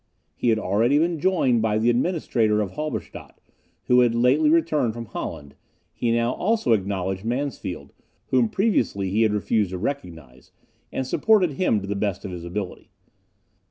He had already been joined by the administrator of Halberstadt, who had lately returned from Holland; he now also acknowledged Mansfeld, whom previously he had refused to recognise, and supported him to the best of his ability.